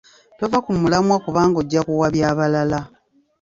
Tova ku mulamwa kubanga ojja kuwabya balala.